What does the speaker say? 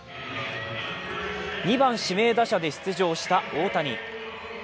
２番・指名打者で出場した大谷。